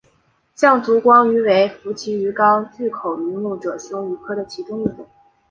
象烛光鱼为辐鳍鱼纲巨口鱼目褶胸鱼科的其中一种。